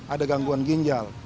ada gangguan ginjal